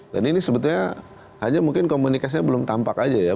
dan ini sebetulnya hanya mungkin komunikasinya belum tampak aja ya